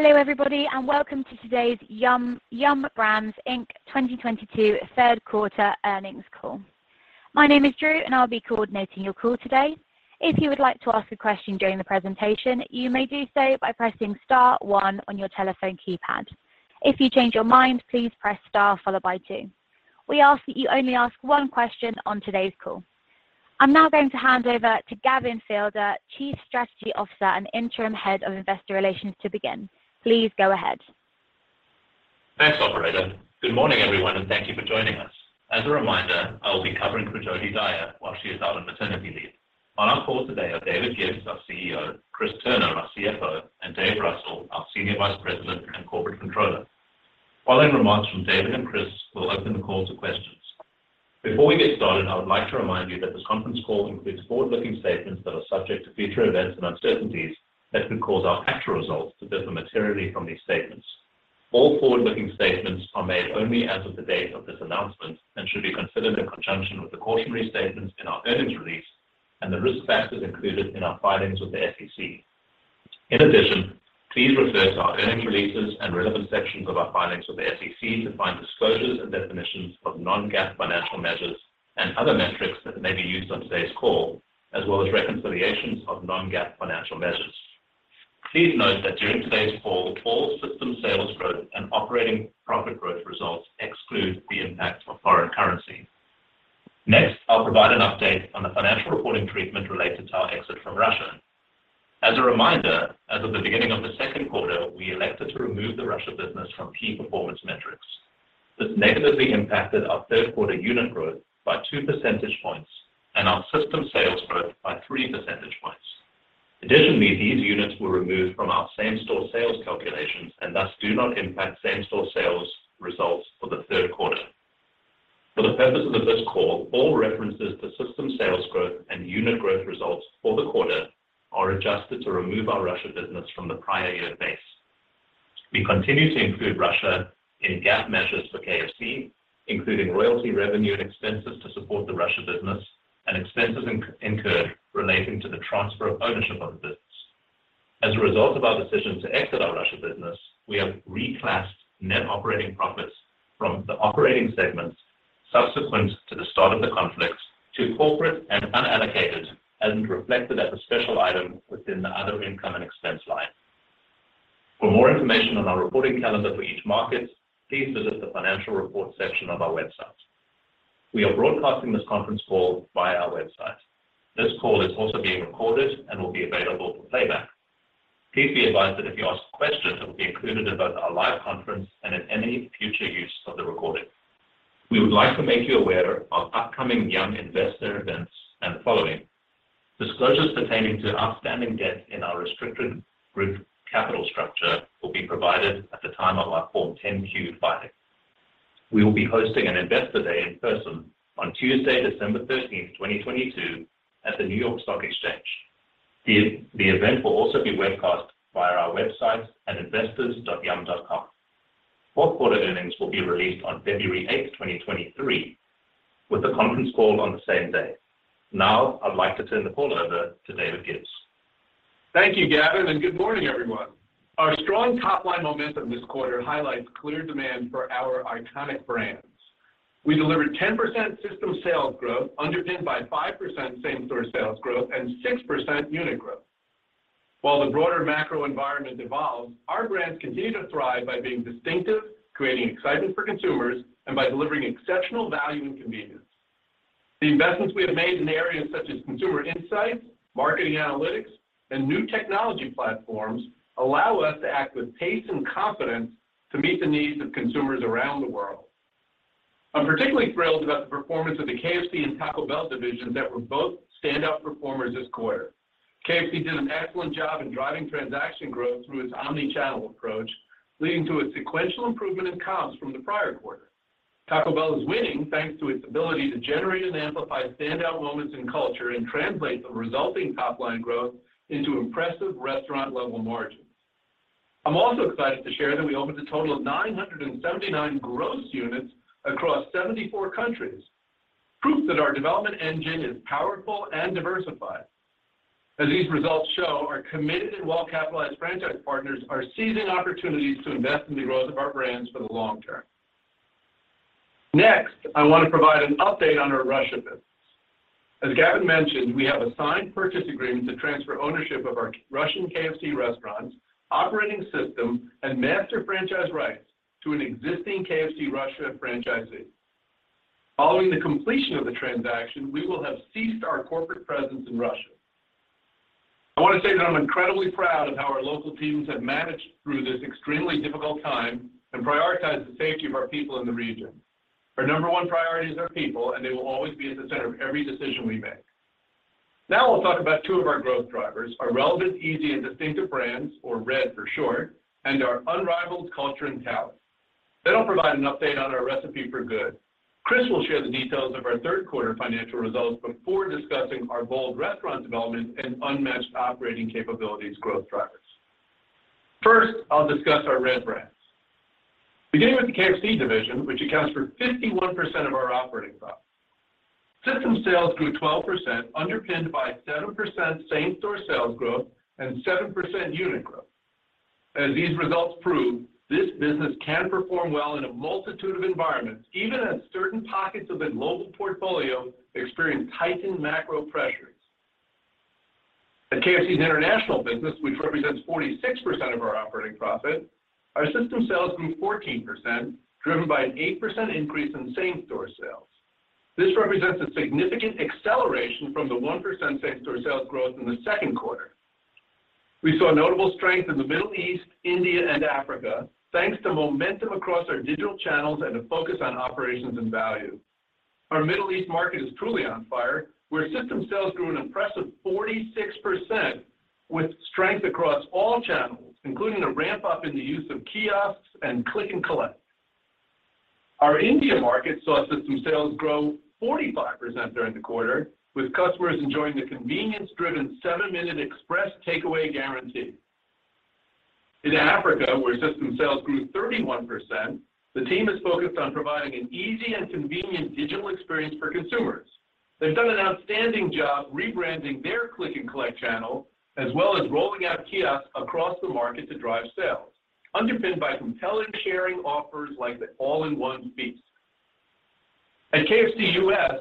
Hello everybody, and welcome to today's Yum! Brands, Inc 2022 third quarter earnings call. My name is Drew, and I'll be coordinating your call today. If you would like to ask a question during the presentation, you may do so by pressing star one on your telephone keypad. If you change your mind, please press star followed by two. We ask that you only ask one question on today's call. I'm now going to hand over to Gavin Felder, Chief Strategy Officer and Interim Head of Investor Relations, to begin. Please go ahead. Thanks, operator. Good morning, everyone, and thank you for joining us. As a reminder, I will be covering Jodi Dyer while she is out on maternity leave. On our call today are David Gibbs, our CEO, Chris Turner, our CFO, and Dave Russell, our Senior Vice President and Corporate Controller. Following remarks from David and Chris, we'll open the call to questions. Before we get started, I would like to remind you that this conference call includes forward-looking statements that are subject to future events and uncertainties that could cause our actual results to differ materially from these statements. All forward-looking statements are made only as of the date of this announcement and should be considered in conjunction with the cautionary statements in our earnings release and the risk factors included in our filings with the SEC. In addition, please refer to our earnings releases and relevant sections of our filings with the SEC to find disclosures and definitions of non-GAAP financial measures and other metrics that may be used on today's call, as well as reconciliations of non-GAAP financial measures. Please note that during today's call, all system sales growth and operating profit growth results exclude the impact of foreign currency. Next, I'll provide an update on the financial reporting treatment related to our exit from Russia. As a reminder, as of the beginning of the second quarter, we elected to remove the Russia business from key performance metrics. This negatively impacted our third quarter unit growth by 2 percentage points and our system sales growth by 3 percentage points. Additionally, these units were removed from our same-store sales calculations and thus do not impact same-store sales results for the third quarter. For the purposes of this call, all references to system sales growth and unit growth results for the quarter are adjusted to remove our Russia business from the prior year base. We continue to include Russia in GAAP measures for KFC, including royalty revenue and expenses to support the Russia business and expenses incurred relating to the transfer of ownership of the business. As a result of our decision to exit our Russia business, we have reclassified net operating profits from the operating segment subsequent to the start of the conflict to corporate and unallocated, and reflected as a special item within the other income and expense line. For more information on our reporting calendar for each market, please visit the financial report section of our website. We are broadcasting this conference call via our website. This call is also being recorded and will be available for playback. Please be advised that if you ask questions, it will be included in both our live conference and in any future use of the recording. We would like to make you aware of upcoming Yum investor events and the following. Disclosures pertaining to outstanding debt in our restricted group capital structure will be provided at the time of our Form 10-Q filing. We will be hosting an investor day in person on Tuesday, December 13, 2022, at the New York Stock Exchange. The event will also be webcast via our website at investors.yum.com. Fourth quarter earnings will be released on February 8, 2023, with the conference call on the same day. Now, I'd like to turn the call over to David Gibbs. Thank you, Gavin, and good morning, everyone. Our strong top-line momentum this quarter highlights clear demand for our iconic brands. We delivered 10% system sales growth, underpinned by 5% same-store sales growth and 6% unit growth. While the broader macro environment evolves, our brands continue to thrive by being distinctive, creating excitement for consumers, and by delivering exceptional value and convenience. The investments we have made in areas such as consumer insights, marketing analytics, and new technology platforms allow us to act with pace and confidence to meet the needs of consumers around the world. I'm particularly thrilled about the performance of the KFC and Taco Bell divisions that were both standout performers this quarter. KFC did an excellent job in driving transaction growth through its omni-channel approach, leading to a sequential improvement in comps from the prior quarter. Taco Bell is winning thanks to its ability to generate and amplify standout moments in culture and translate the resulting top-line growth into impressive restaurant-level margins. I'm also excited to share that we opened a total of 979 gross units across 74 countries, proof that our development engine is powerful and diversified. As these results show, our committed and well-capitalized franchise partners are seizing opportunities to invest in the growth of our brands for the long term. Next, I want to provide an update on our Russia business. As Gavin mentioned, we have assigned purchase agreements to transfer ownership of our Russian KFC restaurants, operating system, and master franchise rights to an existing KFC Russia franchisee. Following the completion of the transaction, we will have ceased our corporate presence in Russia. I want to say that I'm incredibly proud of how our local teams have managed through this extremely difficult time and prioritized the safety of our people in the region. Our number one priority is our people, and they will always be at the center of every decision we make. Now we'll talk about two of our growth drivers, our relevant, easy, and distinctive brands, or RED for short, and our unrivaled culture and talent. I'll provide an update on our Recipe for Good. Chris will share the details of our third quarter financial results before discussing our bold restaurant development and unmatched operating capabilities growth drivers. First, I'll discuss our RED brand. Beginning with the KFC division, which accounts for 51% of our operating profit. System sales grew 12%, underpinned by 7% same-store sales growth and 7% unit growth. As these results prove, this business can perform well in a multitude of environments, even as certain pockets of the global portfolio experience heightened macro pressures. At KFC's international business, which represents 46% of our operating profit, our system sales grew 14%, driven by an 8% increase in same-store sales. This represents a significant acceleration from the 1% same-store sales growth in the second quarter. We saw notable strength in the Middle East, India, and Africa, thanks to momentum across our digital channels and a focus on operations and value. Our Middle East market is truly on fire, where system sales grew an impressive 46% with strength across all channels, including a ramp up in the use of kiosks and click and collect. Our India market saw system sales grow 45% during the quarter with customers enjoying the convenience driven 7-minute express takeaway guarantee. In Africa, where system sales grew 31%, the team is focused on providing an easy and convenient digital experience for consumers. They've done an outstanding job rebranding their click and collect channel, as well as rolling out kiosks across the market to drive sales, underpinned by compelling sharing offers like the All-in-One Feast. At KFC U.S.,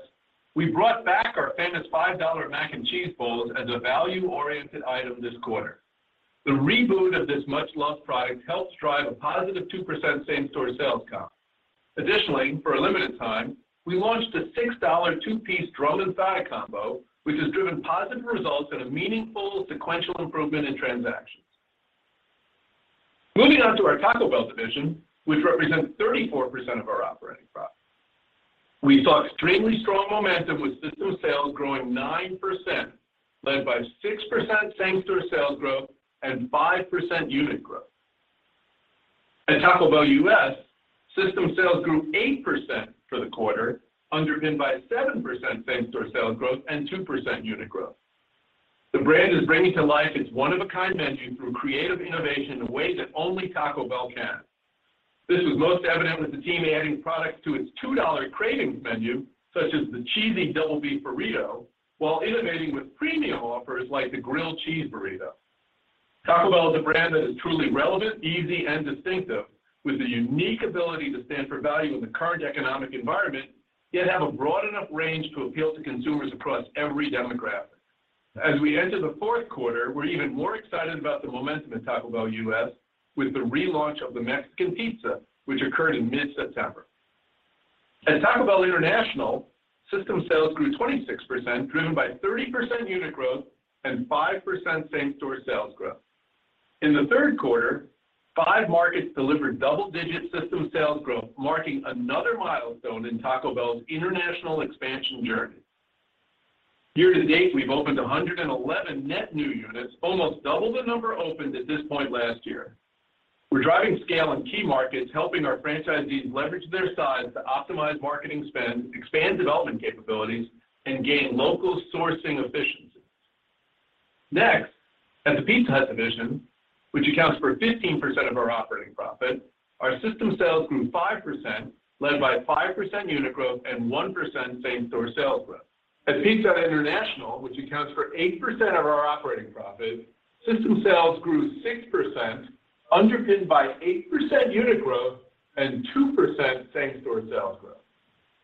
we brought back our famous $5 mac and cheese bowls as a value-oriented item this quarter. The reboot of this much-loved product helps drive a positive 2% same-store sales comp. Additionally, for a limited time, we launched a $6 two-piece drum and side combo, which has driven positive results and a meaningful sequential improvement in transactions. Moving on to our Taco Bell division, which represents 34% of our operating profit. We saw extremely strong momentum with system sales growing 9%, led by 6% same-store sales growth and 5% unit growth. At Taco Bell U.S., system sales grew 8% for the quarter, underpinned by 7% same-store sales growth and 2% unit growth. The brand is bringing to life its one-of-a-kind menu through creative innovation in a way that only Taco Bell can. This was most evident with the team adding products to its $2 Cravings Menu, such as the Cheesy Double Beef Burrito, while innovating with premium offers like the Grilled Cheese Burrito. Taco Bell is a brand that is truly relevant, easy, and distinctive, with the unique ability to stand for value in the current economic environment, yet have a broad enough range to appeal to consumers across every demographic. As we enter the fourth quarter, we're even more excited about the momentum at Taco Bell U.S. with the relaunch of the Mexican Pizza, which occurred in mid-September. At Taco Bell International, system sales grew 26%, driven by 30% unit growth and 5% same-store sales growth. In the third quarter, five markets delivered double-digit system sales growth, marking another milestone in Taco Bell's international expansion journey. Year-to-date, we've opened 111 net new units, almost double the number opened at this point last year. We're driving scale in key markets, helping our franchisees leverage their size to optimize marketing spend, expand development capabilities, and gain local sourcing efficiencies. Next, at the Pizza Hut division, which accounts for 15% of our operating profit, our system sales grew 5%, led by 5% unit growth and 1% same-store sales growth. At Pizza Hut International, which accounts for 8% of our operating profit, system sales grew 6%, underpinned by 8% unit growth and 2% same-store sales growth.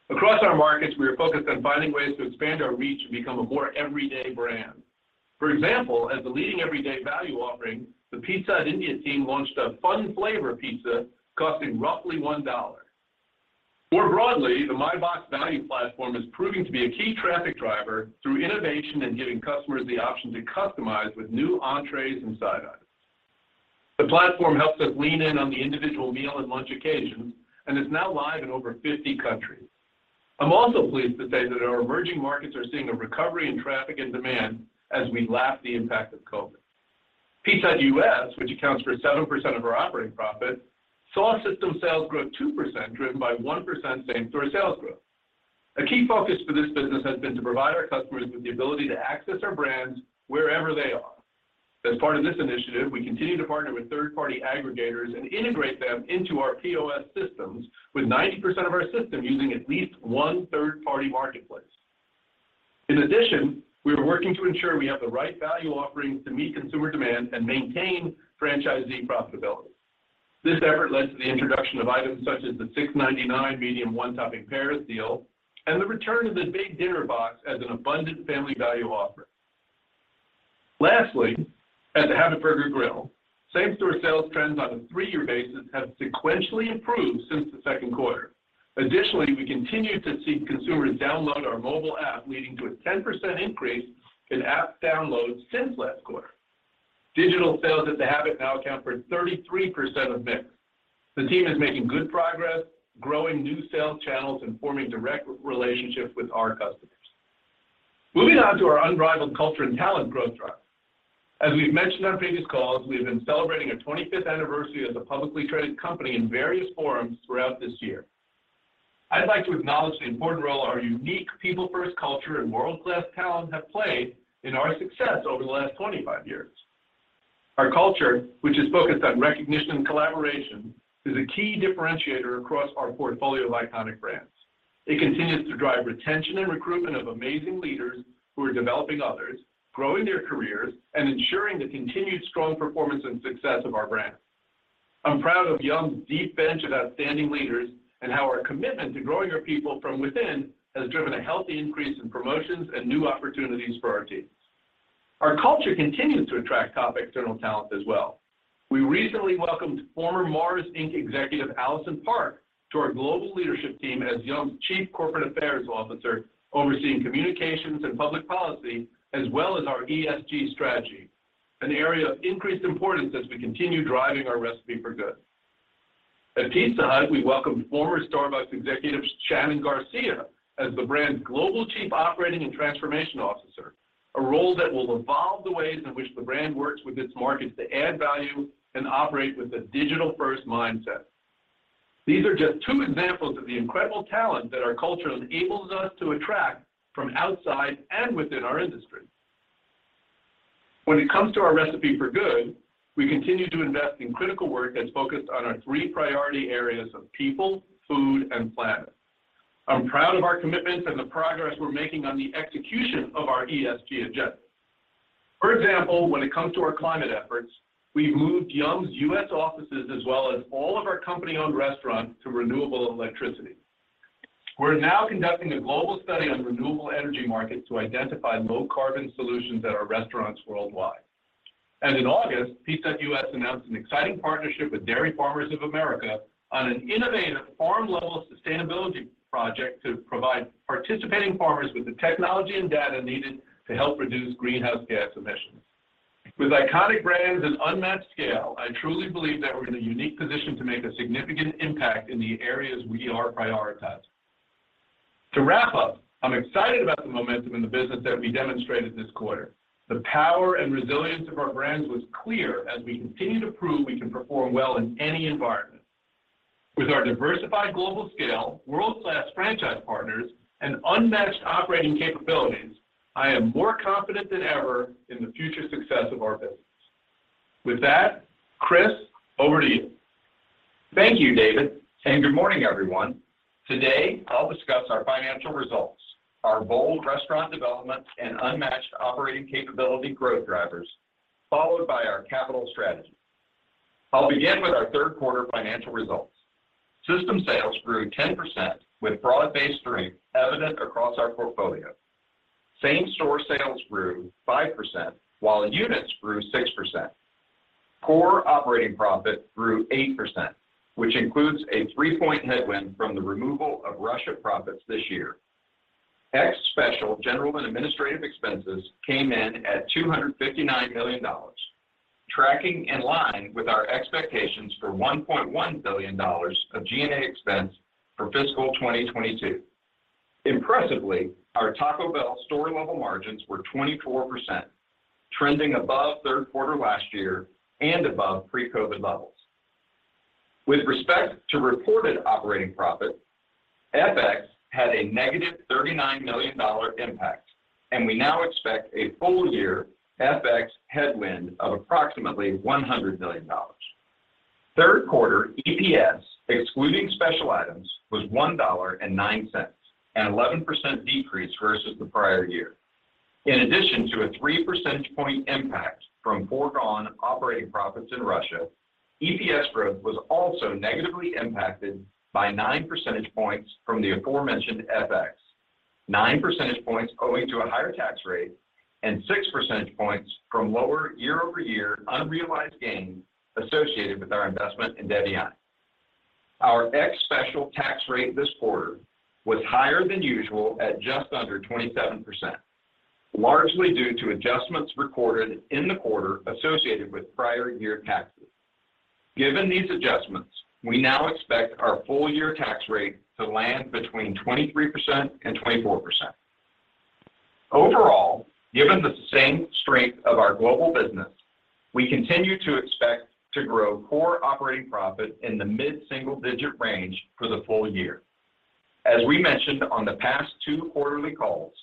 Across our markets, we are focused on finding ways to expand our reach and become a more everyday brand. For example, as a leading everyday value offering, the Pizza Hut India team launched a Fun Flavor Pizza costing roughly $1. More broadly, the My Box value platform is proving to be a key traffic driver through innovation and giving customers the option to customize with new entrees and side items. The platform helps us lean in on the individual meal and lunch occasions, and is now live in over 50 countries. I'm also pleased to say that our emerging markets are seeing a recovery in traffic and demand as we lap the impact of COVID. Pizza Hut U.S., which accounts for 7% of our operating profit, saw system sales grow 2%, driven by 1% same-store sales growth. A key focus for this business has been to provide our customers with the ability to access our brands wherever they are. As part of this initiative, we continue to partner with third-party aggregators and integrate them into our POS systems with 90% of our system using at least one third-party marketplace. In addition, we are working to ensure we have the right value offerings to meet consumer demand and maintain franchisee profitability. This effort led to the introduction of items such as the $6.99 medium one-topping pair deal and the return of the Big Dinner Box as an abundant family value offer. Lastly, at The Habit Burger Grill, same-store sales trends on a 3-year basis have sequentially improved since the second quarter. Additionally, we continue to see consumers download our mobile app, leading to a 10% increase in app downloads since last quarter. Digital sales at The Habit now account for 33% of mix. The team is making good progress growing new sales channels and forming direct relationships with our customers. Moving on to our unrivaled culture and talent growth track. As we've mentioned on previous calls, we have been celebrating our 25th anniversary as a publicly traded company in various forums throughout this year. I'd like to acknowledge the important role our unique people-first culture and world-class talent have played in our success over the last 25 years. Our culture, which is focused on recognition and collaboration, is a key differentiator across our portfolio of iconic brands. It continues to drive retention and recruitment of amazing leaders who are developing others, growing their careers, and ensuring the continued strong performance and success of our brand. I'm proud of Yum!'s deep bench of outstanding leaders and how our commitment to growing our people from within has driven a healthy increase in promotions and new opportunities for our team. Our culture continues to attract top external talent as well. We recently welcomed former Mars, Incorporated executive Allyson Park to our global leadership team as Yum!'s Chief Corporate Affairs Officer, overseeing communications and public policy as well as our ESG strategy, an area of increased importance as we continue driving our Recipe for Good. At Pizza Hut, we welcome former Starbucks executive Shannon Hennessy as the brand's Global Chief Operating and Transformation Officer, a role that will evolve the ways in which the brand works with its markets to add value and operate with a digital-first mindset. These are just two examples of the incredible talent that our culture enables us to attract from outside and within our industry. When it comes to our Recipe for Good, we continue to invest in critical work that's focused on our three priority areas of people, food, and planet. I'm proud of our commitments and the progress we're making on the execution of our ESG agenda. For example, when it comes to our climate efforts, we've moved Yum!'s U.S. offices as well as all of our company-owned restaurants to renewable electricity. We're now conducting a global study on renewable energy markets to identify low carbon solutions at our restaurants worldwide. In August, Pizza Hut U.S. announced an exciting partnership with Dairy Farmers of America on an innovative farm-level sustainability project to provide participating farmers with the technology and data needed to help reduce greenhouse gas emissions. With iconic brands and unmatched scale, I truly believe that we're in a unique position to make a significant impact in the areas we are prioritizing. To wrap up, I'm excited about the momentum in the business that we demonstrated this quarter. The power and resilience of our brands was clear as we continue to prove we can perform well in any environment. With our diversified global scale, world-class franchise partners, and unmatched operating capabilities, I am more confident than ever in the future success of our business. With that, Chris, over to you. Thank you, David, and good morning, everyone. Today, I'll discuss our financial results, our bold restaurant development and unmatched operating capability growth drivers, followed by our capital strategy. I'll begin with our third quarter financial results. System sales grew 10% with broad-based strength evident across our portfolio. Same-store sales grew 5%, while units grew 6%. Core operating profit grew 8%, which includes a 3-point headwind from the removal of Russia profits this year. Ex special general and administrative expenses came in at $259 million, tracking in line with our expectations for $1.1 billion of G&A expense for fiscal 2022. Impressively, our Taco Bell store level margins were 24%, trending above third quarter last year and above pre-COVID levels. With respect to reported operating profit, FX had a negative $39 million impact, and we now expect a full year FX headwind of approximately $100 million. Third quarter EPS, excluding special items, was $1.09, an 11% decrease versus the prior year. In addition to a 3 percentage point impact from foregone operating profits in Russia, EPS growth was also negatively impacted by 9 percentage points from the aforementioned FX, 9 percentage points owing to a higher tax rate, and 6 percentage points from lower year-over-year unrealized gains associated with our investment in Devyani. Our ex special tax rate this quarter was higher than usual at just under 27%, largely due to adjustments recorded in the quarter associated with prior year taxes. Given these adjustments, we now expect our full year tax rate to land between 23% and 24%. Overall, given the same strength of our global business, we continue to expect to grow core operating profit in the mid-single-digit range for the full year. As we mentioned on the past two quarterly calls,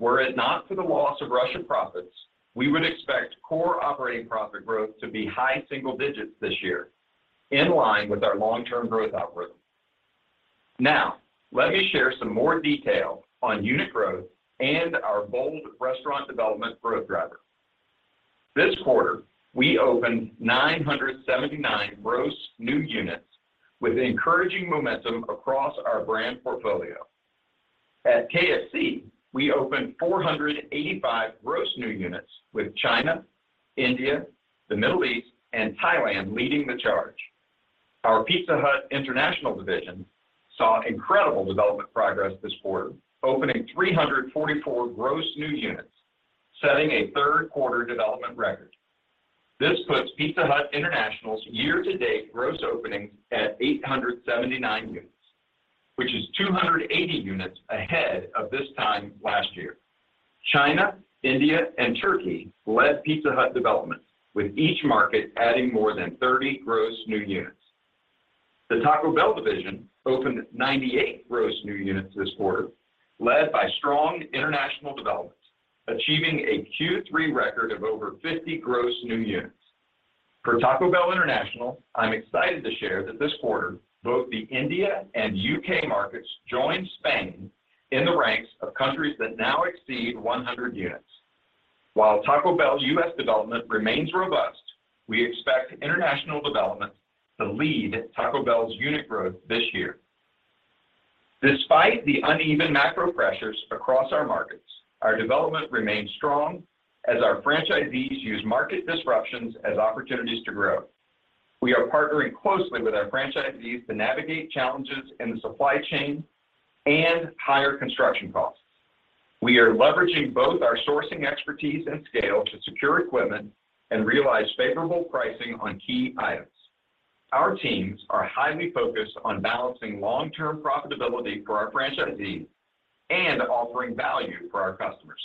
were it not for the loss of Russia profits, we would expect core operating profit growth to be high single digits this year, in line with our long-term growth algorithm. Now, let me share some more detail on unit growth and our bold restaurant development growth driver. This quarter, we opened 979 gross new units with encouraging momentum across our brand portfolio. At KFC, we opened 485 gross new units with China, India, the Middle East, and Thailand leading the charge. Our Pizza Hut International division saw incredible development progress this quarter, opening 344 gross new units, setting a third-quarter development record. This puts Pizza Hut International's year-to-date gross openings at 879 units, which is 280 units ahead of this time last year. China, India, and Turkey led Pizza Hut development, with each market adding more than 30 gross new units. The Taco Bell division opened 98 gross new units this quarter, led by strong international development, achieving a Q3 record of over 50 gross new units. For Taco Bell International, I'm excited to share that this quarter, both the India and U.K. markets joined Spain in the ranks of countries that now exceed 100 units. While Taco Bell's U.S. development remains robust, we expect international development to lead Taco Bell's unit growth this year. Despite the uneven macro pressures across our markets, our development remains strong as our franchisees use market disruptions as opportunities to grow. We are partnering closely with our franchisees to navigate challenges in the supply chain and higher construction costs. We are leveraging both our sourcing expertise and scale to secure equipment and realize favorable pricing on key items. Our teams are highly focused on balancing long-term profitability for our franchisees and offering value for our customers.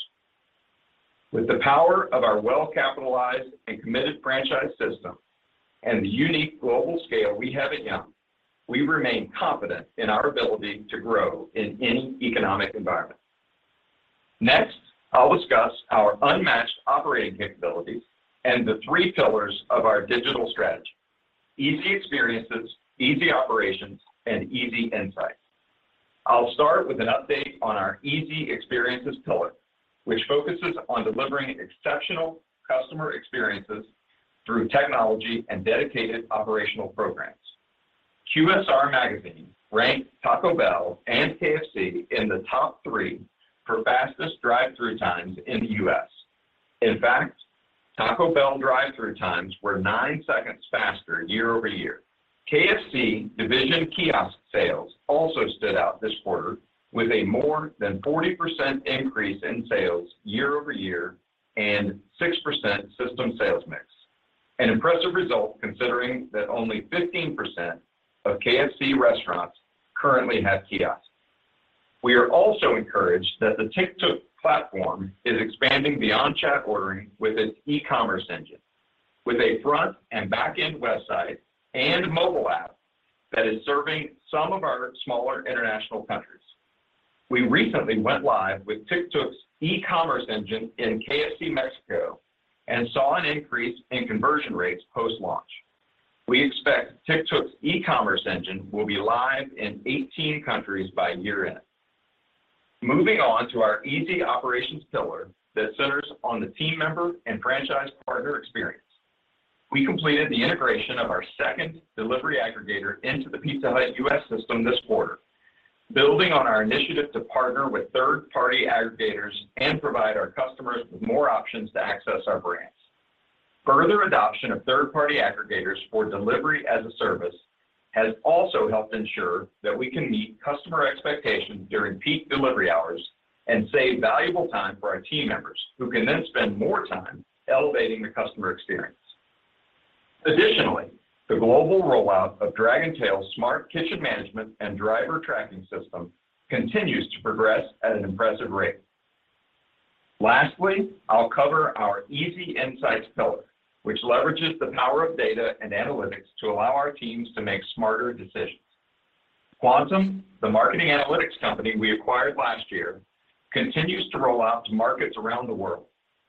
With the power of our well-capitalized and committed franchise system and the unique global scale we have at Yum!, we remain confident in our ability to grow in any economic environment. Next, I'll discuss our unmatched operating capabilities and the three pillars of our digital strategy, easy experiences, easy operations, and easy insights. I'll start with an update on our easy experiences pillar, which focuses on delivering exceptional customer experiences through technology and dedicated operational programs. QSR Magazine ranked Taco Bell and KFC in the top three for fastest drive-thru times in the U.S. In fact, Taco Bell drive-thru times were 9 seconds faster year over year. KFC division kiosk sales also stood out this quarter with a more than 40% increase in sales year over year and 6% system sales mix, an impressive result considering that only 15% of KFC restaurants currently have kiosks. We are also encouraged that the Tictuk platform is expanding beyond chat ordering with its e-commerce engine, with a front and back-end website and mobile app that is serving some of our smaller international countries. We recently went live with Tictuk's e-commerce engine in KFC Mexico and saw an increase in conversion rates post-launch. We expect Tictuk's e-commerce engine will be live in 18 countries by year-end. Moving on to our easy operations pillar that centers on the team member and franchise partner experience. We completed the integration of our second delivery aggregator into the Pizza Hut U.S. system this quarter, building on our initiative to partner with third-party aggregators and provide our customers with more options to access our brands. Further adoption of third-party aggregators for delivery as a service has also helped ensure that we can meet customer expectations during peak delivery hours and save valuable time for our team members, who can then spend more time elevating the customer experience. Additionally, the global rollout of Dragontail's Smart Kitchen management and driver tracking system continues to progress at an impressive rate. Lastly, I'll cover our easy insights pillar, which leverages the power of data and analytics to allow our teams to make smarter decisions. Kvantum, the marketing analytics company we acquired last year, continues to roll out to markets around the world.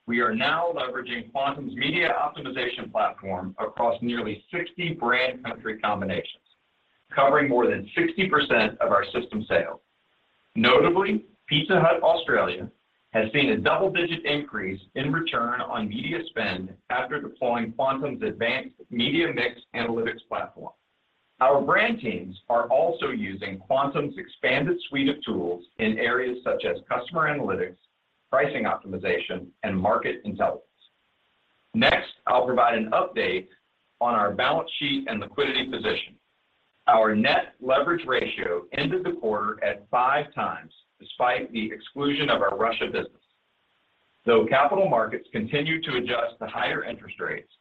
We are now leveraging Kvantum's media optimization platform across nearly 60 brand country combinations, covering more than 60% of our system sales. Notably, Pizza Hut Australia has seen a double-digit increase in return on media spend after deploying Kvantum's advanced media mix analytics platform. Our brand teams are also using Kvantum's expanded suite of tools in areas such as customer analytics, pricing optimization, and market intelligence. Next, I'll provide an update on our balance sheet and liquidity position. Our net leverage ratio ended the quarter at 5x despite the exclusion of our Russia business. Though capital markets continue to adjust to higher interest rates,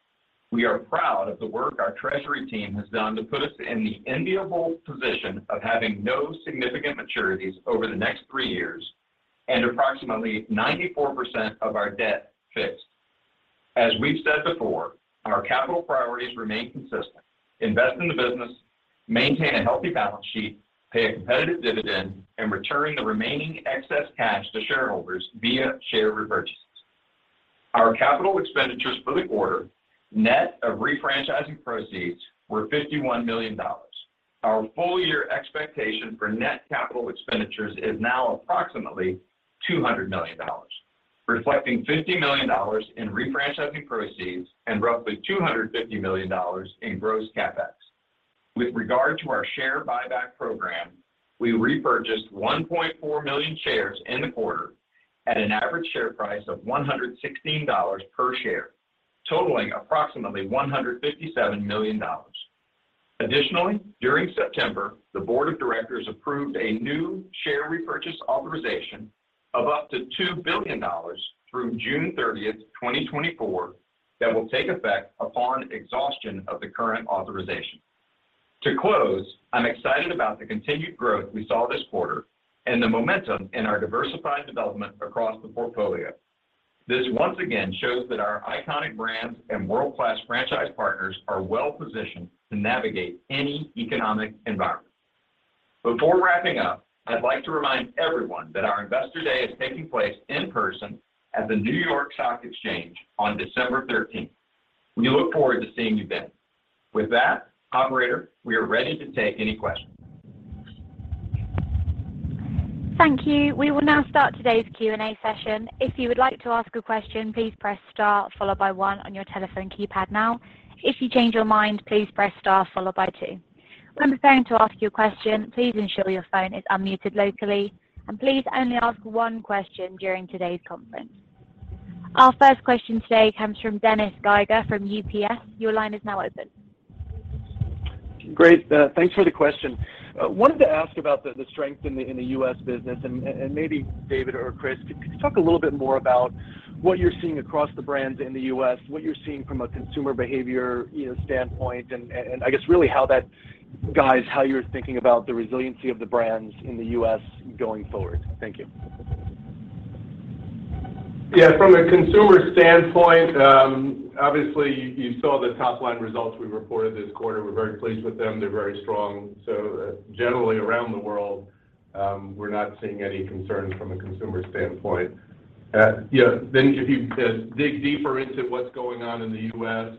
we are proud of the work our treasury team has done to put us in the enviable position of having no significant maturities over the next 3 years and approximately 94% of our debt fixed. As we've said before, our capital priorities remain consistent. Invest in the business, maintain a healthy balance sheet, pay a competitive dividend, and return the remaining excess cash to shareholders via share repurchases. Our capital expenditures for the quarter, net of refranchising proceeds, were $51 million. Our full year expectation for net capital expenditures is now approximately $200 million, reflecting $50 million in refranchising proceeds and roughly $250 million in gross CapEx. With regard to our share buyback program, we repurchased 1.4 million shares in the quarter at an average share price of $116 per share, totaling approximately $157 million. Additionally, during September, the board of directors approved a new share repurchase authorization of up to $2 billion through June 30th, 2024, that will take effect upon exhaustion of the current authorization. To close, I'm excited about the continued growth we saw this quarter and the momentum in our diversified development across the portfolio. This once again shows that our iconic brands and world-class franchise partners are well-positioned to navigate any economic environment. Before wrapping up, I'd like to remind everyone that our Investor Day is taking place in person at the New York Stock Exchange on December 13th. We look forward to seeing you then. With that, operator, we are ready to take any questions. Thank you. We will now start today's Q&A session. If you would like to ask a question, please press star followed by one on your telephone keypad now. If you change your mind, please press star followed by two. When preparing to ask your question, please ensure your phone is unmuted locally, and please only ask one question during today's conference. Our first question today comes from Dennis Geiger from UBS. Your line is now open. Great. Thanks for the question. Wanted to ask about the strength in the U.S. business and maybe David or Chris could you talk a little bit more about what you're seeing across the brands in the U.S., what you're seeing from a consumer behavior you know standpoint, and I guess really how that guides how you're thinking about the resiliency of the brands in the U.S. going forward. Thank you. Yeah. From a consumer standpoint, obviously you saw the top-line results we reported this quarter. We're very pleased with them. They're very strong. Generally around the world, we're not seeing any concern from a consumer standpoint. Yeah. If you dig deeper into what's going on in the U.S.,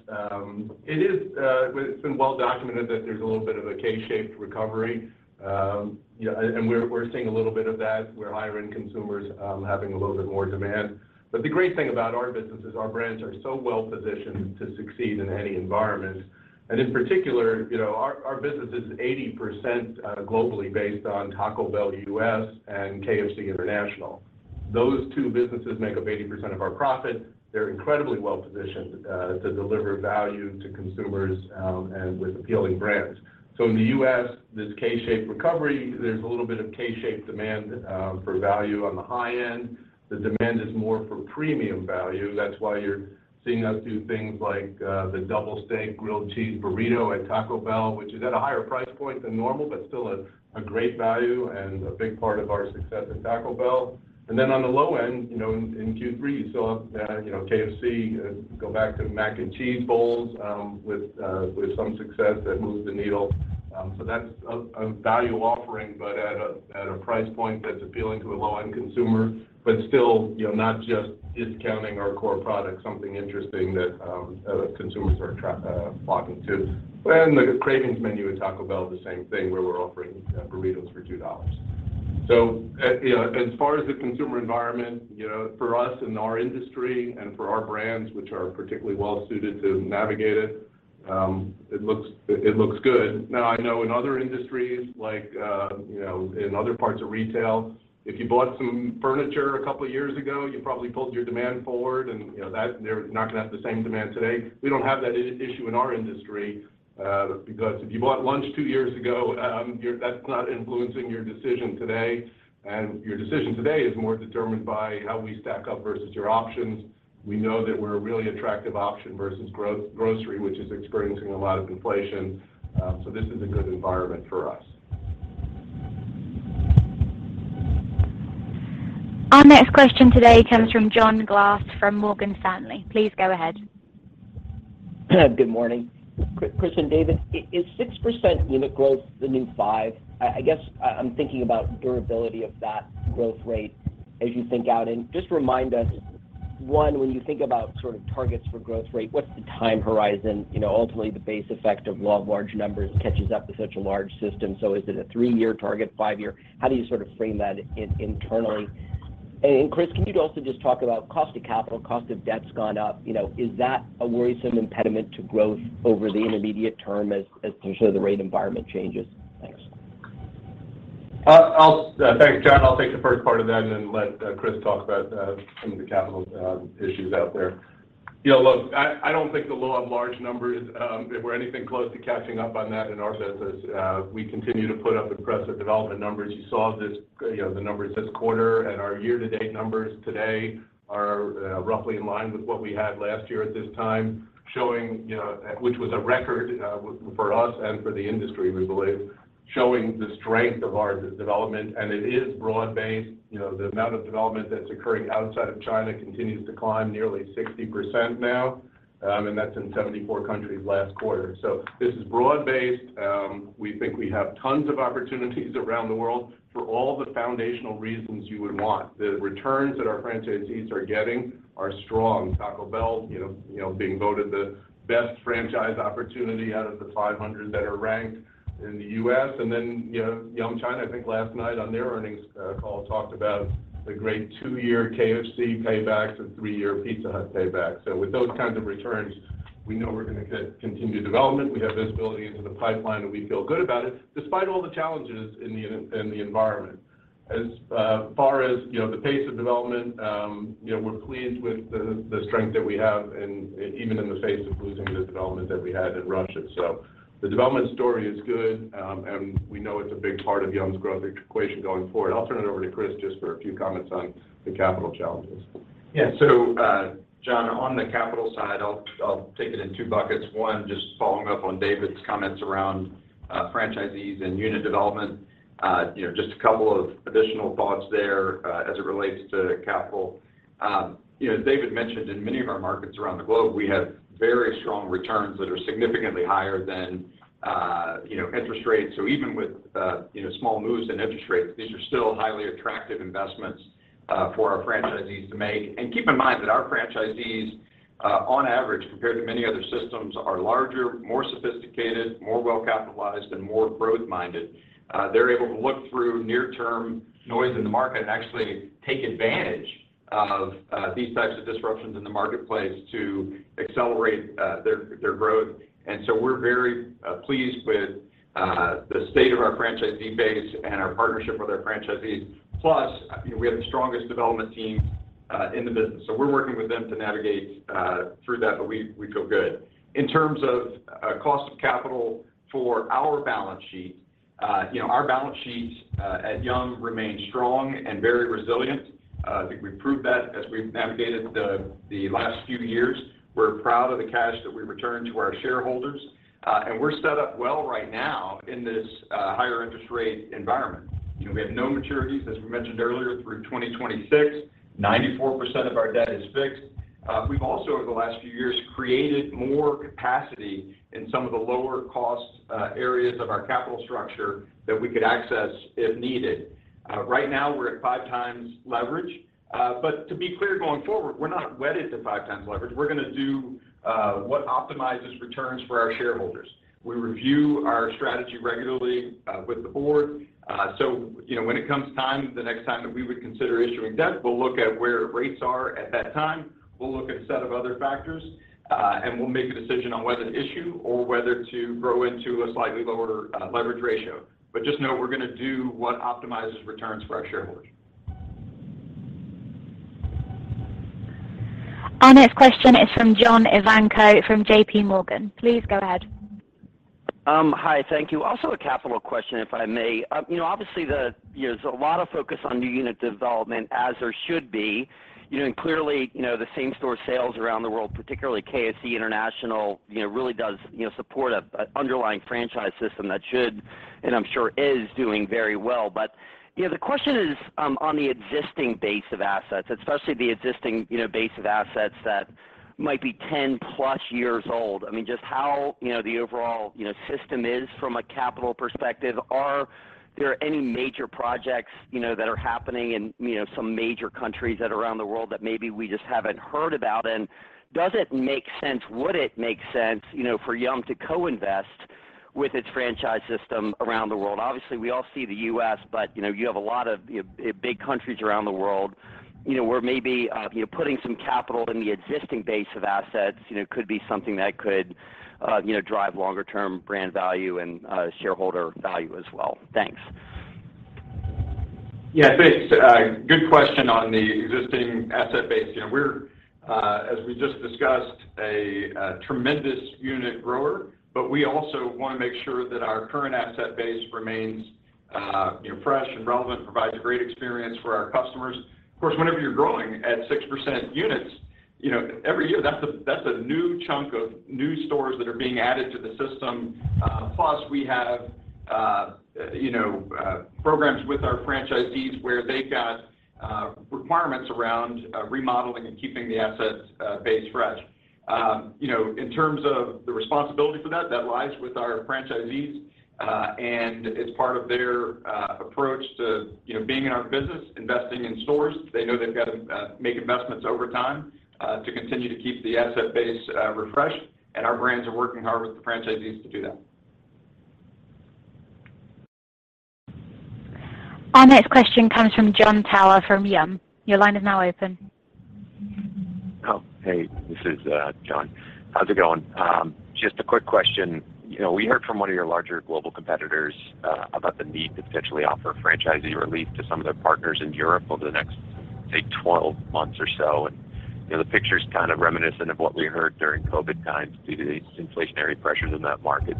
it's been well documented that there's a little bit of a K-shaped recovery. You know, and we're seeing a little bit of that, where higher end consumers having a little bit more demand. The great thing about our business is our brands are so well-positioned to succeed in any environment. In particular, you know, our business is 80% globally based on Taco Bell U.S. and KFC International. Those two businesses make up 80% of our profit. They're incredibly well-positioned to deliver value to consumers and with appealing brands. In the U.S., this K-shaped recovery, there's a little bit of K-shaped demand for value on the high end. The demand is more for premium value. That's why you're seeing us do things like the Double Steak Grilled Cheese Burrito at Taco Bell, which is at a higher price point than normal, but still a great value and a big part of our success at Taco Bell. On the low end, you know, in Q3, you saw KFC go back to Mac and Cheese Bowls with some success that moved the needle. That's a value offering, but at a price point that's appealing to a low-end consumer, but still, you know, not just discounting our core products, something interesting that consumers are flocking to. The Cravings menu at Taco Bell, the same thing where we're offering burritos for $2. You know, as far as the consumer environment, you know, for us in our industry and for our brands, which are particularly well suited to navigate it looks good. Now, I know in other industries, like, you know, in other parts of retail, if you bought some furniture a couple years ago, you probably pulled your demand forward and, you know, they're not gonna have the same demand today. We don't have that issue in our industry, because if you bought lunch 2 years ago, that's not influencing your decision today. Your decision today is more determined by how we stack up versus your options. We know that we're a really attractive option versus grocery, which is experiencing a lot of inflation. This is a good environment for us. Our next question today comes from John Glass from Morgan Stanley. Please go ahead. Good morning. Chris and David, is 6% unit growth the new 5? I guess I'm thinking about durability of that growth rate as you think out. Just remind us, one, when you think about sort of targets for growth rate, what's the time horizon? You know, ultimately the base effect of law of large numbers catches up with such a large system. Is it a 3-year target, 5-year? How do you sort of frame that internally? Chris, can you also just talk about cost of capital? Cost of debt's gone up. You know, is that a worrisome impediment to growth over the intermediate term as potentially the rate environment changes? Thanks. Thanks, John. I'll take the first part of that and then let Chris talk about some of the capital issues out there. Yeah, look, I don't think the law of large numbers if we're anything close to catching up on that in our business, we continue to put up impressive development numbers. You saw this, you know, the numbers this quarter and our year-to-date numbers today are roughly in line with what we had last year at this time, showing, you know, which was a record for us and for the industry, we believe, showing the strength of our development, and it is broad-based. You know, the amount of development that's occurring outside of China continues to climb nearly 60% now, and that's in 74 countries last quarter. This is broad-based. We think we have tons of opportunities around the world for all the foundational reasons you would want. The returns that our franchisees are getting are strong. Taco Bell, you know, being voted the best franchise opportunity out of the 500 that are ranked in the U.S. Yum China, I think last night on their earnings call, talked about the great 2-year KFC payback, the 3-year Pizza Hut payback. With those kinds of returns, we know we're gonna get continued development. We have visibility into the pipeline, and we feel good about it despite all the challenges in the environment. As far as, you know, the pace of development, you know, we're pleased with the strength that we have and even in the face of losing the development that we had in Russia. The development story is good, and we know it's a big part of Yum!'s growth equation going forward. I'll turn it over to Chris just for a few comments on the capital challenges. John, on the capital side, I'll take it in two buckets. One, just following up on David's comments around franchisees and unit development. You know, just a couple of additional thoughts there, as it relates to capital. You know, as David mentioned, in many of our markets around the globe, we have very strong returns that are significantly higher than, you know, interest rates. Even with, you know, small moves in interest rates, these are still highly attractive investments for our franchisees to make. Keep in mind that our franchisees, on average, compared to many other systems, are larger, more sophisticated, more well-capitalized, and more growth-minded. They're able to look through near-term noise in the market and actually take advantage of these types of disruptions in the marketplace to accelerate their growth. We're very pleased with the state of our franchisee base and our partnership with our franchisees. Plus, you know, we have the strongest development team in the business. We're working with them to navigate through that, but we feel good. In terms of cost of capital for our balance sheet, you know, our balance sheet at KFC remains strong and very resilient. I think we've proved that as we've navigated the last few years. We're proud of the cash that we return to our shareholders, and we're set up well right now in this higher interest rate environment. You know, we have no maturities, as we mentioned earlier, through 2026, 94% of our debt is fixed. We've also, over the last few years, created more capacity in some of the lower cost areas of our capital structure that we could access if needed. Right now, we're at 5x leverage. To be clear going forward, we're not wedded to 5x leverage. We're gonna do what optimizes returns for our shareholders. We review our strategy regularly with the board. You know, when it comes time, the next time that we would consider issuing debt, we'll look at where rates are at that time. We'll look at a set of other factors and we'll make a decision on whether to issue or whether to grow into a slightly lower leverage ratio. Just know we're gonna do what optimizes returns for our shareholders. Our next question is from John Ivankoe from JPMorgan. Please go ahead. Hi. Thank you. Also a capital question, if I may. You know, obviously, there's a lot of focus on new unit development as there should be. You know, clearly, you know, the same store sales around the world, particularly KFC International, you know, really does support a underlying franchise system that should, and I'm sure is doing very well. You know, the question is on the existing base of assets, especially the existing, you know, base of assets that might be 10+ years old. I mean, just how, you know, the overall, you know, system is from a capital perspective. Are there any major projects, you know, that are happening in, you know, some major countries around the world that maybe we just haven't heard about? Does it make sense? Would it make sense, you know, for Yum to co-invest with its franchise system around the world? Obviously, we all see the U.S., but, you know, you have a lot of, you know, big countries around the world, you know, where maybe, you know, putting some capital in the existing base of assets, you know, could be something that could, you know, drive longer term brand value and, shareholder value as well. Thanks. Yeah. Thanks. Good question on the existing asset base. You know, we're, as we just discussed, a tremendous unit grower, but we also wanna make sure that our current asset base remains, you know, fresh and relevant, provides a great experience for our customers. Of course, whenever you're growing at 6% units, you know, every year, that's a new chunk of new stores that are being added to the system. Plus we have, you know, programs with our franchisees where they've got requirements around remodeling and keeping the assets base fresh. You know, in terms of the responsibility for that lies with our franchisees, and it's part of their approach to, you know, being in our business, investing in stores. They know they've got to make investments over time to continue to keep the asset base refreshed, and our brands are working hard with the franchisees to do that. Our next question comes from Jon Tower from Yum. Your line is now open. Oh, hey. This is Jon. How's it going? Just a quick question. You know, we heard from one of your larger global competitors about the need to potentially offer franchisee relief to some of their partners in Europe over the next, say, 12 months or so. You know, the picture's kind of reminiscent of what we heard during COVID times due to the inflationary pressures in that market.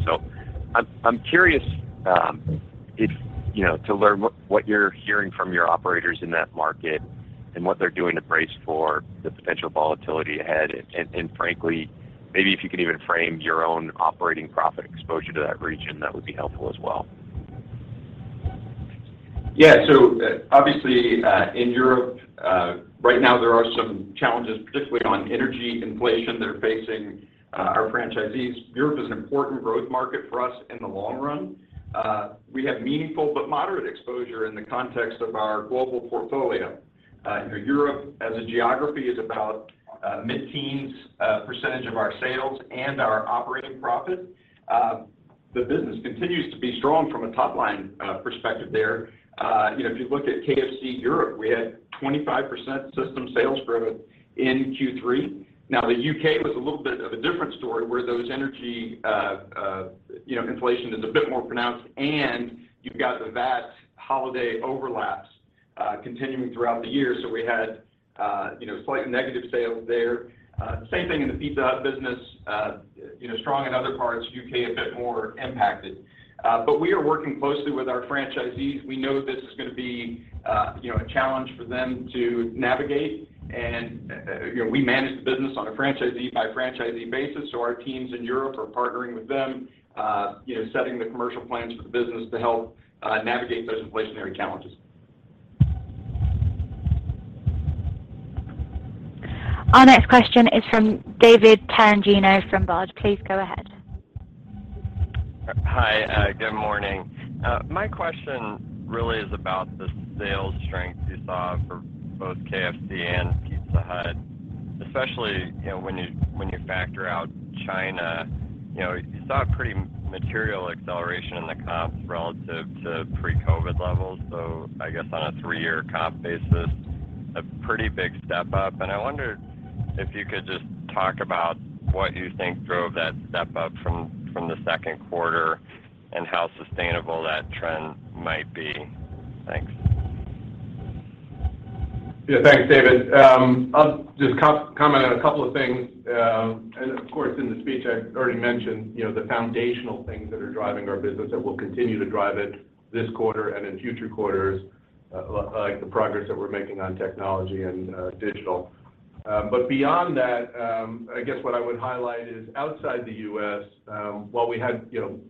I'm curious to learn what you're hearing from your operators in that market and what they're doing to brace for the potential volatility ahead. Frankly, maybe if you could even frame your own operating profit exposure to that region, that would be helpful as well. Yeah. Obviously, in Europe, right now there are some challenges, particularly on energy inflation they're facing, our franchisees. Europe is an important growth market for us in the long run. We have meaningful but moderate exposure in the context of our global portfolio. You know, Europe as a geography is about mid-teens percentage of our sales and our operating profit. The business continues to be strong from a top-line perspective there. You know, if you look at KFC Europe, we had 25% system sales growth in Q3. Now, the U.K. was a little bit of a different story, where those energy, you know, inflation is a bit more pronounced, and you've got the VAT holiday overlaps continuing throughout the year. We had, you know, slightly negative sales there. Same thing in the Pizza Hut business. You know, strong in other parts, U.K. a bit more impacted. We are working closely with our franchisees. We know this is gonna be, you know, a challenge for them to navigate. We manage the business on a franchisee by franchisee basis, so our teams in Europe are partnering with them, you know, setting the commercial plans for the business to help navigate those inflationary challenges. Our next question is from David Tarantino from Baird. Please go ahead. Hi. Good morning. My question really is about the sales strength you saw for both KFC and Pizza Hut, especially, you know, when you factor out China. You know, you saw a pretty material acceleration in the comps relative to pre-COVID levels, so I guess on a 3-year comp basis, a pretty big step up. I wonder if you could just talk about what you think drove that step up from the second quarter and how sustainable that trend might be. Thanks. Yeah. Thanks, David. I'll just comment on a couple of things. Of course, in the speech, I already mentioned, you know, the foundational things that are driving our business that will continue to drive it this quarter and in future quarters, like the progress that we're making on technology and digital. But beyond that, I guess what I would highlight is outside the U.S., while we had, you know,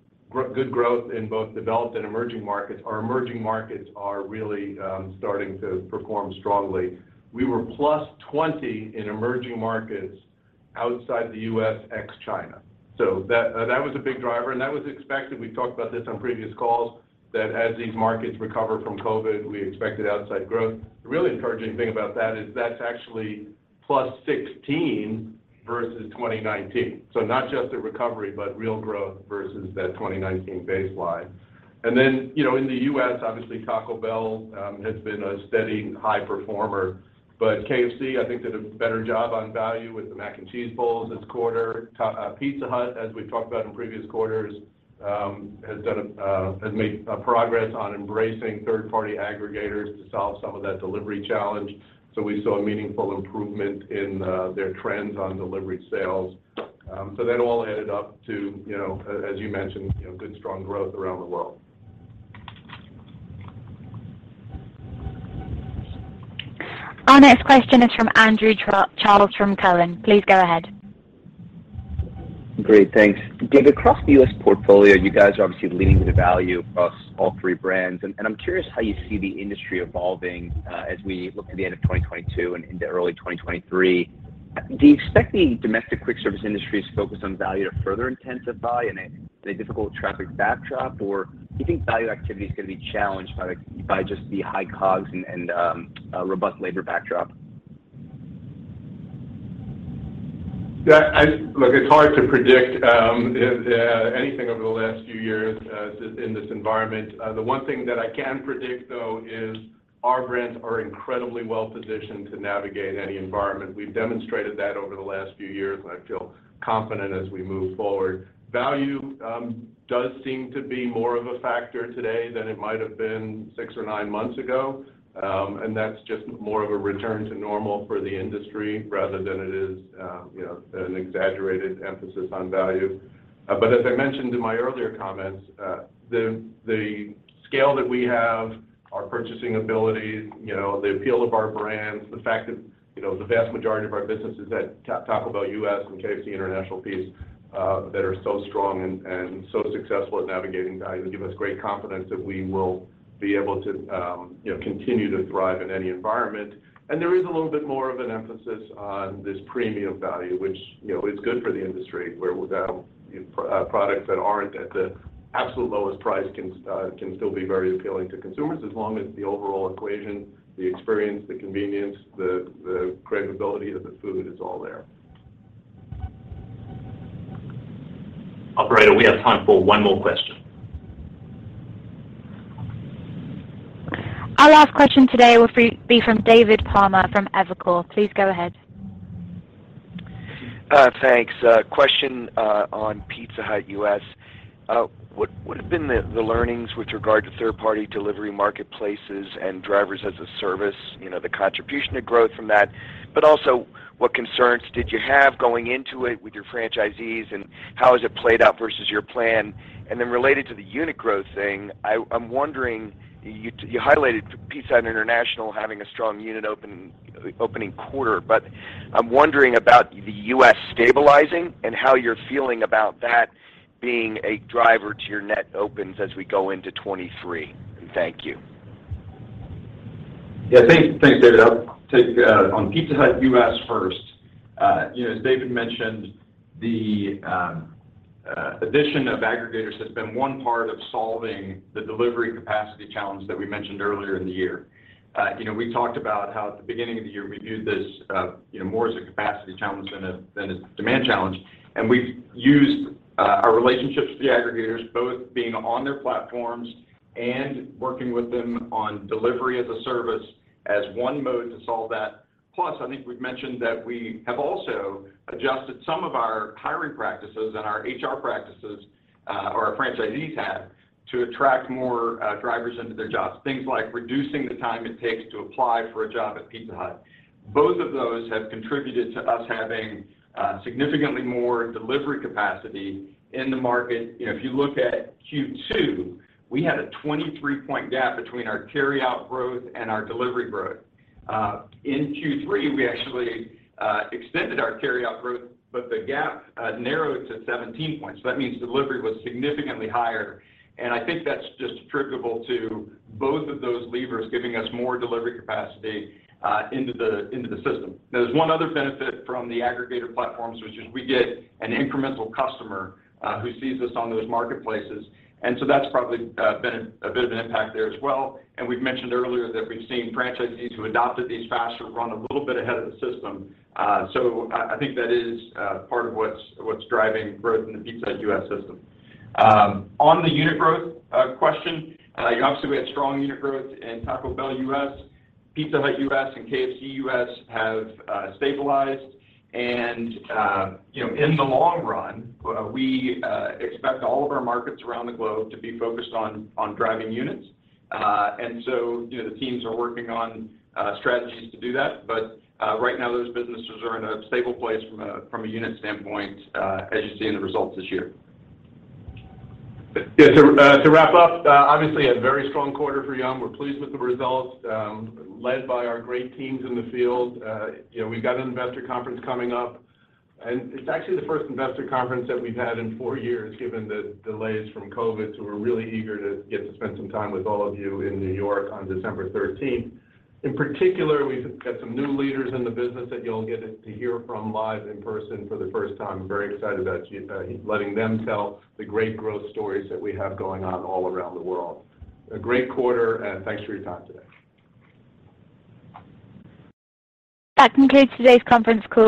good growth in both developed and emerging markets, our emerging markets are really starting to perform strongly. We were +20% in emerging markets outside the U.S. ex China. That was a big driver, and that was expected. We talked about this on previous calls, that as these markets recover from COVID, we expected outside growth. The really encouraging thing about that is that's actually +16% versus 2019. Not just a recovery, but real growth versus that 2019 baseline. You know, in the U.S., obviously, Taco Bell has been a steady high performer. KFC, I think, did a better job on value with the Mac and Cheese Bowls this quarter. Pizza Hut, as we talked about in previous quarters, has made progress on embracing third-party aggregators to solve some of that delivery challenge. We saw a meaningful improvement in their trends on delivery sales. That all added up to, you know, as you mentioned, you know, good, strong growth around the world. Our next question is from Andrew Charles from Cowen. Please go ahead. Great. Thanks. David, across the U.S. portfolio, you guys are obviously leaning into value across all three brands. I'm curious how you see the industry evolving, as we look at the end of 2022 and into early 2023. Do you expect the domestic quick-service industry focused on value to further intensify in a difficult traffic backdrop? Or do you think value activity is gonna be challenged by just the high COGS and robust labor backdrop? Look, it's hard to predict anything over the last few years in this environment. The one thing that I can predict, though, is our brands are incredibly well-positioned to navigate any environment. We've demonstrated that over the last few years, and I feel confident as we move forward. Value does seem to be more of a factor today than it might have been 6 or 9 months ago. That's just more of a return to normal for the industry rather than it is, you know, an exaggerated emphasis on value. As I mentioned in my earlier comments, the scale that we have, our purchasing ability, you know, the appeal of our brands, the fact that, you know, the vast majority of our businesses at Taco Bell U.S. and KFC International that are so strong and so successful at navigating value, give us great confidence that we will be able to, you know, continue to thrive in any environment. There is a little bit more of an emphasis on this premium value, which, you know, is good for the industry where without, you know, products that aren't at the absolute lowest price can still be very appealing to consumers as long as the overall equation, the experience, the convenience, the credibility of the food is all there. Operator, we have time for one more question. Our last question today will be from David Palmer from Evercore. Please go ahead. Thanks. A question on Pizza Hut U.S. What have been the learnings with regard to third-party delivery marketplaces and drivers as a service, you know, the contribution to growth from that, but also what concerns did you have going into it with your franchisees and how has it played out versus your plan? Then related to the unit growth thing, I'm wondering, you highlighted Pizza Hut International having a strong unit opening quarter. I'm wondering about the U.S. stabilizing and how you're feeling about that being a driver to your net opens as we go into 2023. Thank you. Yeah. Thanks. Thanks, David. I'll take on Pizza Hut U.S. first. You know, as David mentioned, the addition of aggregators has been one part of solving the delivery capacity challenge that we mentioned earlier in the year. You know, we talked about how at the beginning of the year, we viewed this, you know, more as a capacity challenge than a demand challenge. We've used our relationships with the aggregators, both being on their platforms and working with them on delivery as a service as one mode to solve that. Plus, I think we've mentioned that we have also adjusted some of our hiring practices and our HR practices, or our franchisees have, to attract more drivers into their jobs. Things like reducing the time it takes to apply for a job at Pizza Hut. Both of those have contributed to us having significantly more delivery capacity in the market. You know, if you look at Q2, we had a 23-point gap between our carryout growth and our delivery growth. In Q3, we actually extended our carryout growth, but the gap narrowed to 17 points. That means delivery was significantly higher, and I think that's just attributable to both of those levers giving us more delivery capacity into the system. Now, there's one other benefit from the aggregator platforms, which is we get an incremental customer who sees us on those marketplaces. We've mentioned earlier that we've seen franchisees who adopted these faster run a little bit ahead of the system. I think that is part of what's driving growth in the Pizza Hut U.S. system. On the unit growth question, obviously, we had strong unit growth in Taco Bell U.S., Pizza Hut U.S., and KFC U.S. have stabilized. You know, in the long run, we expect all of our markets around the globe to be focused on driving units. You know, the teams are working on strategies to do that. Right now, those businesses are in a stable place from a unit standpoint, as you see in the results this year. To wrap up, obviously, a very strong quarter for Yum. We're pleased with the results, led by our great teams in the field. You know, we've got an Investor Conference coming up, and it's actually the first Investor Conference that we've had in 4 years, given the delays from COVID. We're really eager to get to spend some time with all of you in New York on December 13th. In particular, we've got some new leaders in the business that you'll get to hear from live in person for the first time. Very excited about letting them tell the great growth stories that we have going on all around the world. A great quarter, and thanks for your time today. That concludes today's conference call.